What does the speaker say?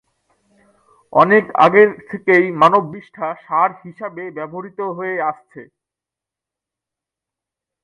অনেক আগের থেকেই মানব বিষ্ঠা সার হিসাবে ব্যবহৃত হয়ে আসছে।